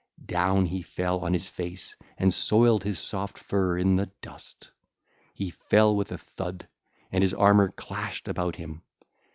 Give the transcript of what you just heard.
Down fell he on his face and soiled his soft fur in the dust: he fell with a thud and his armour clashed about him.